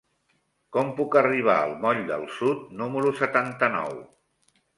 Com puc arribar al moll del Sud número setanta-nou?